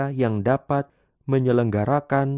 dan manusia yang dapat menyelenggarakan